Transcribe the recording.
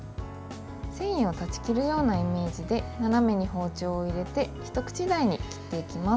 繊維を断ち切るようなイメージで斜めに包丁を入れて一口大に切っていきます。